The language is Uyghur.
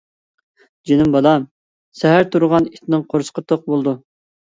-جېنىم بالام، سەھەر تۇرغان ئىتنىڭ قورسىقى توق بولىدۇ.